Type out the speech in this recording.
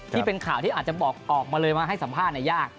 ที่เป็นข่าวที่อาจจะบอกออกมาเลยมาให้สัมภาษณ์ยาก